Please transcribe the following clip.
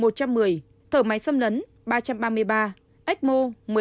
thở máy xâm lấn ba trăm ba mươi ba ecmo một mươi ba